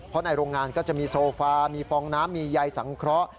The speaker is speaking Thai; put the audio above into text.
เพราะในโรงงานก็จะมีโซฟามีฟองน้ำมีใยสังเคราะห์